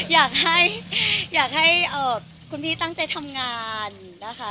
อยากให้คุณพี่ตั้งใจทำงานนะคะ